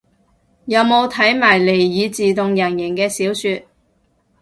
有冇睇埋尼爾自動人形嘅小說